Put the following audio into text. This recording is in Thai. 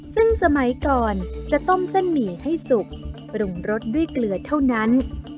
ซึ่งสมัยก่อนจะต้มเส้นหมี่ให้สุกปรุงรสด้วยเกลือเท่านั้น